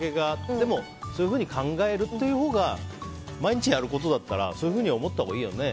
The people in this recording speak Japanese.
でも、そういうふうに考えるというほうが毎日やるからそういうふうに思ったほうがいいよね。